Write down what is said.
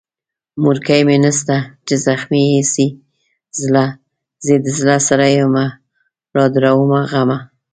مورکۍ مې نسته چې زخمي يې سي زړه، زې دزړه سريمه رادرومه غمه